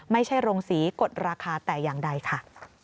ไม่ใช่โรงสีกดราคาแต่อย่างใดค่ะ